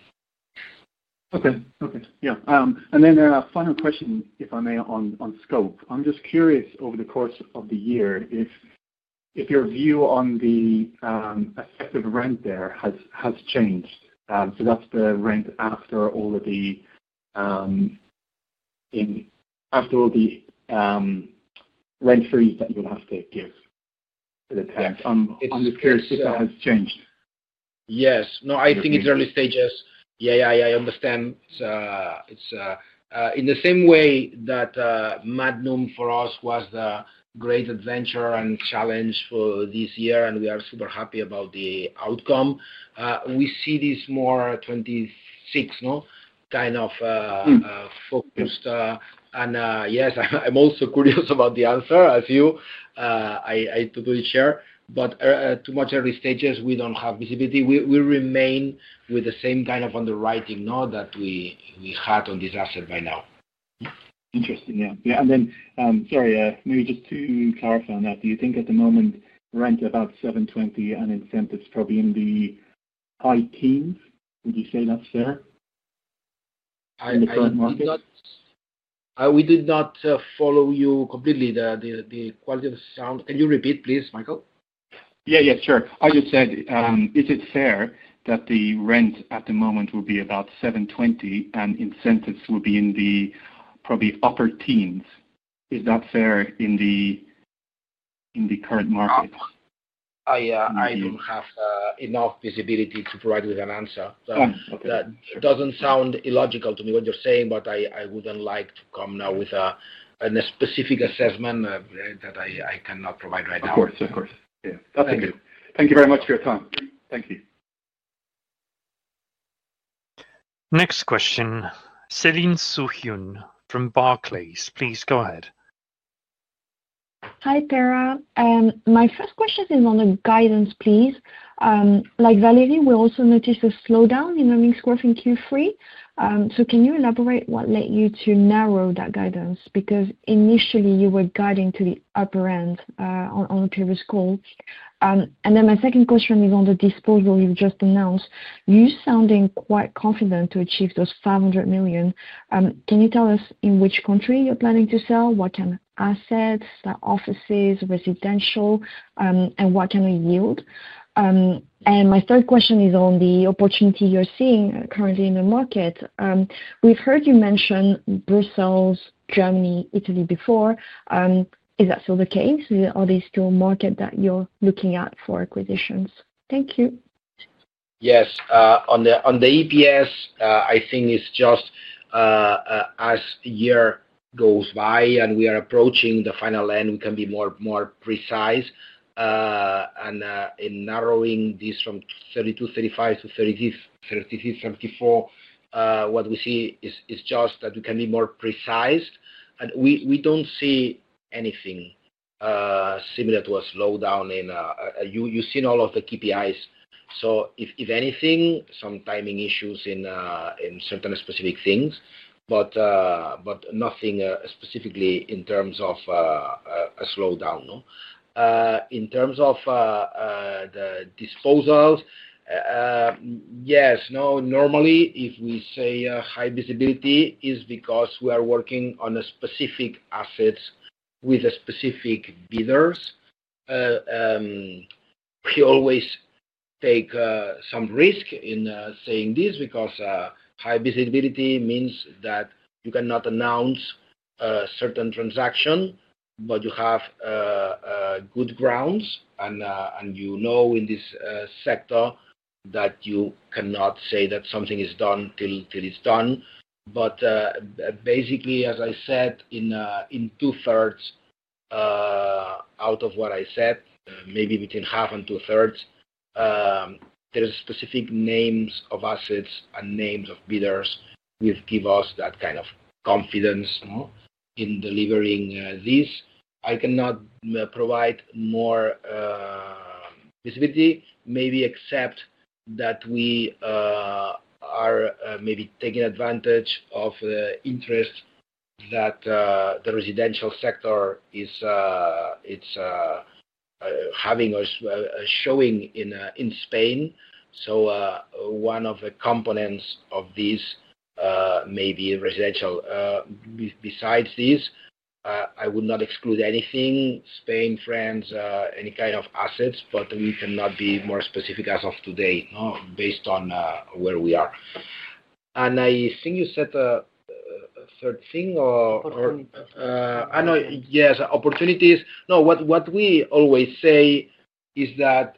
[SPEAKER 8] Okay okay. Yeah. A final question if I may, on Scope. I'm just curious, over the course of the year if your view on the effective rent there has has changed. That's the rent after all of the in rent free that you'll have to give to the tenant. I'm just curious if that has changed?
[SPEAKER 2] Yes, no, I think it's early stages. Yeah, yeah, I understand. It's in the same way that Magnum for us was a great adventure and challenge for this year and we are super happy about the outcome. We see this more. 26. No. Kind of focused. Yes, I am also curious about the answer as you. I totally share, but too much early stages. We do not have visibility. We remain with the same kind of underwriting node that we had on this asset by now.
[SPEAKER 8] Interesting. Yeah. Sorry, maybe just to clarify on that, do you think at the moment rent about 720 and incentives probably in the high teens? Would you say that is there?
[SPEAKER 2] We did not follow you completely. The quality of the sound. Can you repeat please, Michael?
[SPEAKER 8] Yeah, yeah, sure. I just said is it fair that the rent at the moment will be about 720 and incentives will be in the probably upper teens. Is that fair in the current market?
[SPEAKER 2] I don't have enough visibility to provide with an answer that doesn't sound illogical to me what you're. I wouldn't like to come now with a specific assessment that I cannot provide right now.
[SPEAKER 8] Of course, of course. Thank you. Thank you very much for your time.
[SPEAKER 2] Thank you.
[SPEAKER 1] Next question. Céline Soo-huynh from Barclays, please go ahead.
[SPEAKER 9] Hi Pere. My first question is on the guidance, please. Like Valerie, we also noticed a slowdown in earnings growth in Q3. Can you elaborate what led you to narrow that guidance? Because initially you were guiding to the upper end on previous goal. My second question is on the disposal. You just announced you sounding quite confident to achieve those 500 million. Can you tell us in which country you're planning to sell, what kind of assets? Offices, residential. What kind of yield? My third question is on the opportunity you're seeing currently in the market. We've heard you mention Brussels, Germany, Italy before. Is that still the case? Are they still markets that you're looking at for acquisitions? Thank you.
[SPEAKER 2] Yes. On the EPS, I think it's just as year goes by and we are approaching the final land, we can be more precise and in narrowing this from 32-35 to 33-74, what we see is just that we can be more precise and we don't see anything similar to a slowdown in. You've seen all of the KPIs, so if anything, some timing issues in certain specific things, but nothing specifically in terms of slowdown. In terms of the disposals? Yes. No. Normally if we say high visibility is because we are working on specific assets with specific bidders, we always take some risk in saying this because high visibility means that you cannot announce certain transaction but you have good grounds. You know in this sector that you cannot say that something is done till it's done. Basically, as I said in two-thirds out of what I said, maybe between half and two-thirds, there is specific names of assets and names of bidders will give us that kind of confidence in delivering this. I cannot provide more visibility, maybe, except that we are maybe taking advantage of interest that the residential sector is having and showing in Spain. One of the components of these may be residential. Besides this, I would not exclude anything, Spain, France, any kind of assets. We cannot be more specific as of today based on where we are. I think you said a third thing or yes, opportunities. No, what we always say is that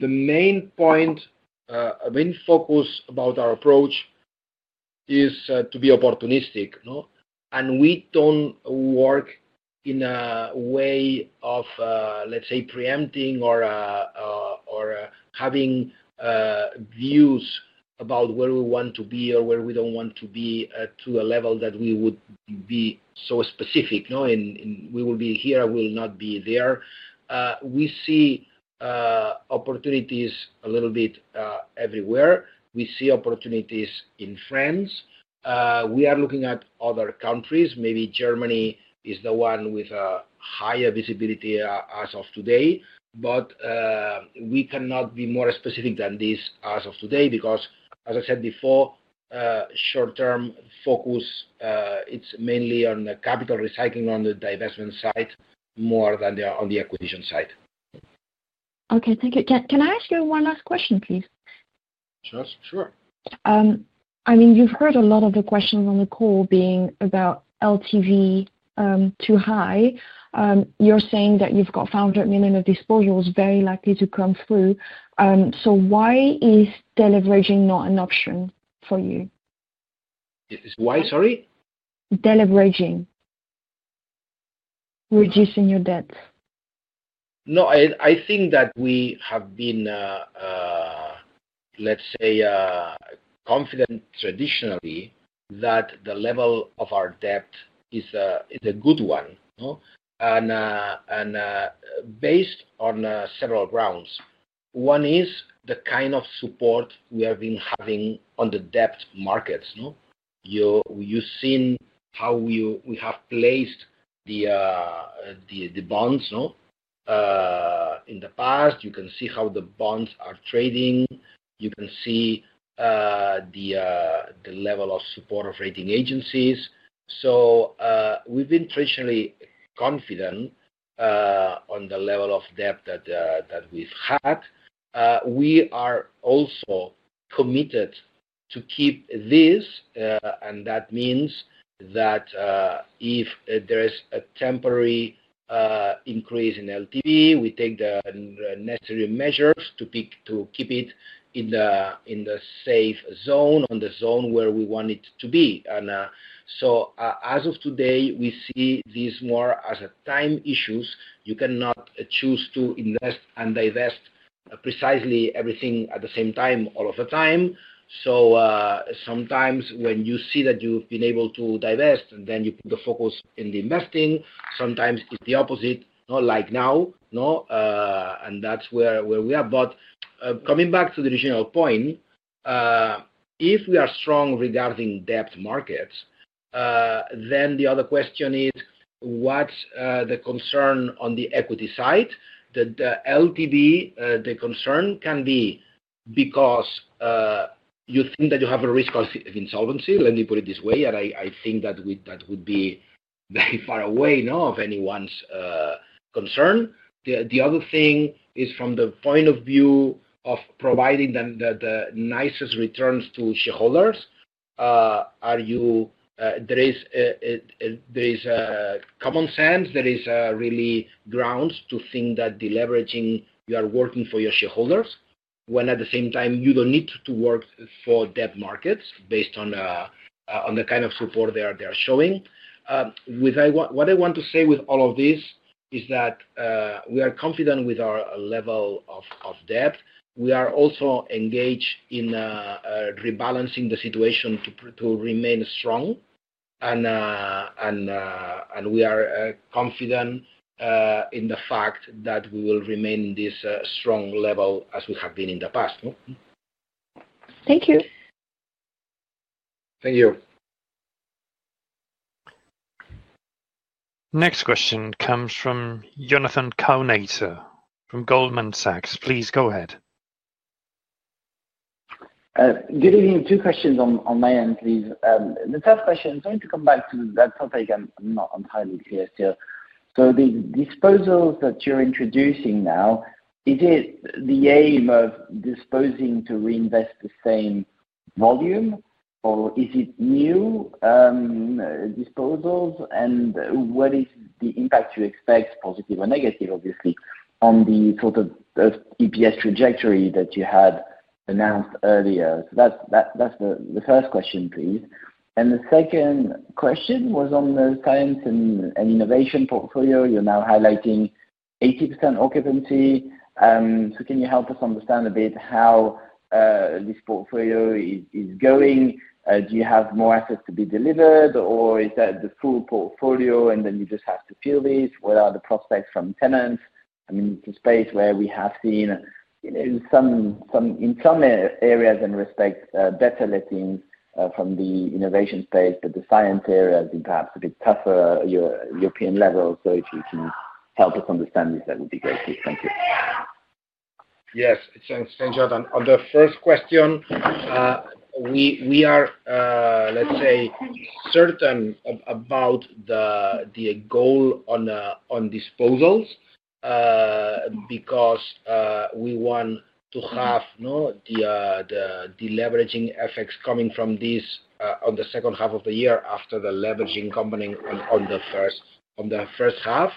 [SPEAKER 2] the main point, main focus about our approach is to be opportunistic and we do not work in a way of, let's say, preempting or having views about where we want to be or where we do not want to be to a level that we would be so specific. We will be here, we will not be there. We see opportunities a little bit everywhere. We see opportunities in France, we are looking at other countries. Maybe Germany is the one with a higher visibility as of today. We cannot be more specific than this as of today because as I said before, short term focus, it is mainly on the capital recycling on the divestment side more than on the acquisition side.
[SPEAKER 9] Okay, thank you. Can I ask you one last question, please?
[SPEAKER 2] Sure.
[SPEAKER 9] I mean, you've heard a lot of the questions on the call being about LTV too high. You're saying that you've got 500 million of disposals very likely to come through. Why is deleveraging not an option for you?
[SPEAKER 2] Why? Sorry?
[SPEAKER 9] Deleveraging? Reducing your debt.
[SPEAKER 2] No, I think that we have been, let's say, confident traditionally that the level of our debt is a good one and based on several grounds. One is the kind of support we have been having on the debt markets. You've seen how we have placed the bonds in the past. You can see how the bonds are trading, you can see the level of support of rating agencies. We have been traditionally confident on the level of debt that we've had. We are also committed to keep this. That means that if there is a temporary increase in LTV, we take the necessary measures to keep it in the safe zone, in the zone where we want it to be. As of today, we see this more as a time issue. You cannot choose to invest and divest precisely everything at the same time, all of the time. Sometimes when you see that you've been able to divest and then you put the focus in the investing, sometimes it's the opposite. Not like now. No, and that's where we are. Coming back to the original point, if we are strong regarding debt markets, then the other question is what's the concern on the equity side, that LTV. The concern can be because you think that you have a risk of insolvency, let me put it this way. I think that would be very far away of anyone's concern. The other thing is, from the point of view of providing the nicest returns to shareholders, are you. There is common sense, there is really grounds to think that deleveraging, you are working for your shareholders when at the same time you do not need to work for debt markets based on the kind of support they are showing. What I want to say with all of this is that we are confident with our level of debt. We are also engaged in rebalancing the situation to remain strong and we are confident in the fact that we will remain in this strong level as we have been in the past.
[SPEAKER 9] Thank you.
[SPEAKER 2] Thank you.
[SPEAKER 1] Next question comes from Jonathan Kownator from Goldman Sachs. Please go ahead.
[SPEAKER 10] Good evening. Two questions on my end, please. The first question, I'm going to come back to that topic, I'm not entirely clear still. So the disposals that you're introducing now, is it the aim of disposing to reinvest the same volume or is it new disposals? What is the impact you expect, positive or negative, obviously on the sort of EPS trajectory that you had announced earlier? That's the first question, please. The second question was on the science and innovation portfolio, you're now highlighting 80% occupancy. Can you help us understand a bit how this portfolio is going? Do you have more assets to be delivered or is that the full portfolio? You just have to, what are the prospects from tenants? I mean it's a space where we have seen in some areas and respect better letting from the innovation space. The science area has been perhaps a bit tougher at the European level. If you can help us understand this, that would be great. Thank you.
[SPEAKER 2] Yes, thanks. On the first question, we are, let's say, certain about the goal on disposals because we want to have the deleveraging effects coming from this on the second half of the year after the leveraging company. On the first half,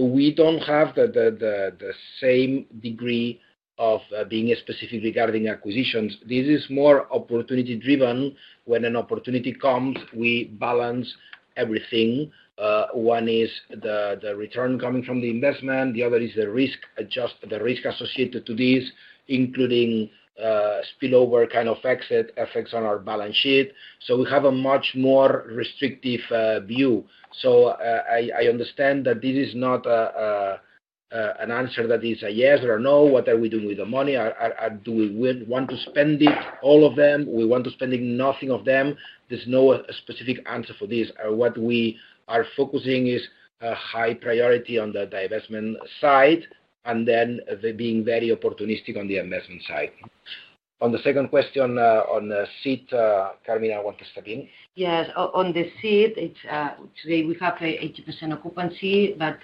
[SPEAKER 2] we do not have the same degree of being specific regarding acquisitions. This is more opportunity driven. When an opportunity comes, we balance everything. One is the return coming from the investment, the other is the risk. Adjust the risk associated to this, including spillover kind of exit effects on our balance sheet. We have a much more restrictive view. I understand that this is not an answer that is a yes or a no. What are we doing with the money? Do we want to spend it? All of them we want to spend it, not nothing of them. There is no specific answer for this. What we are focusing is a high priority on the divestment side and then being very opportunistic on the investment side. On the second question on, see Carmina, I want to step in.
[SPEAKER 3] Yes, on the seat today we have 80% occupancy, but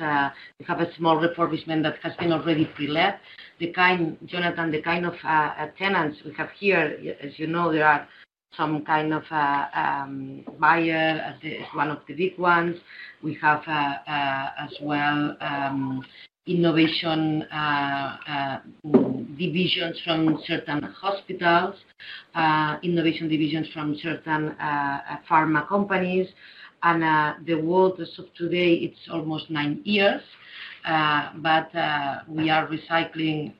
[SPEAKER 3] we have a small refurbishment that has been already pre-let. Jonathan, the kind of tenants we have here, as you know, there are some kind of buyer, one of the big ones we have as well, innovation divisions from certain hospitals, innovation divisions from certain pharma companies and the world. As of today, it is almost nine years. We are recycling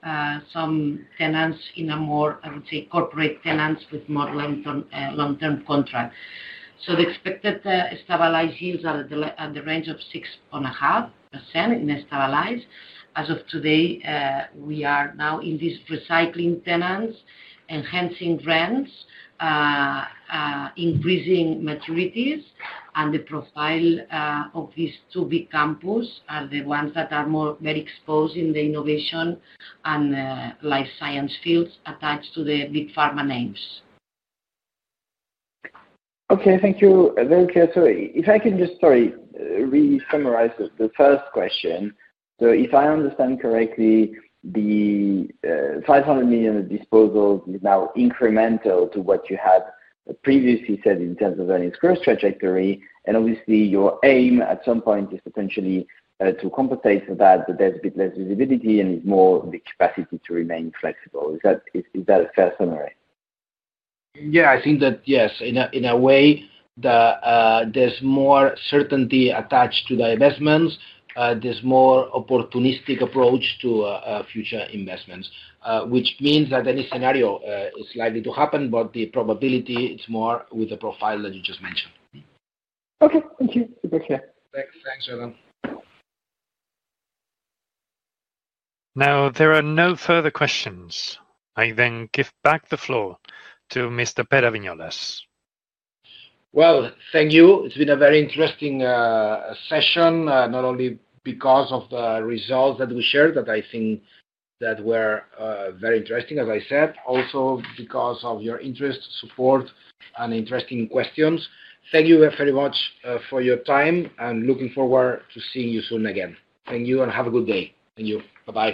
[SPEAKER 3] some tenants in a more, I would say, corporate tenants with more long-term contract. The expected stabilized yields are at the range of 6.5% in stabilized as of today. We are now in this recycling tenants, enhancing rents, increasing material. The profile of these two big campus are the ones that are more very exposed in the innovation and life science fields attached to the big pharma names.
[SPEAKER 10] Okay, thank you. If I can just, sorry, re-summarize the first question. If I understand correctly, the 500 million disposals is now incremental to what you had previously said in terms of earnings growth trajectory, and obviously your aim at some point is potentially to compensate for that, but there's a bit less visibility and more the capacity to remain flexible. Is that a fair summary?
[SPEAKER 2] Yeah, I think that yes, in a way there's more certainty attached to the investments. There's more opportunistic approach to future investments, which means that any scenario is likely to happen, but the probability is more with the profile that you just mentioned.
[SPEAKER 10] Okay, thank you.
[SPEAKER 2] Thanks, Jonathan
[SPEAKER 1] Now there are no further questions. I then give back the floor to Mr. Pere Viñolas.
[SPEAKER 2] Thank you. It has been a very interesting session, not only because of the results that we shared that I think were very interesting, as I said, also because of your interest, support, and interesting questions. Thank you very much for your time and looking forward to seeing you soon again. Thank you and have a good day. Thank you. Bye bye.